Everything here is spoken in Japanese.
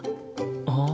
ああ。